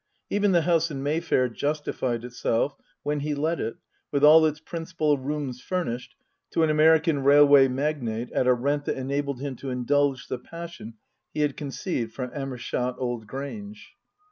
Even the house in May fair justified itself when he let it, with all its principal rooms furnished, to an American railway magnate at a rent that enabled him to indulge the passion he had con ceived for Amershott Old Grange.